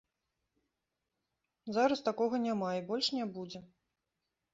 Зараз такога няма і больш не будзе.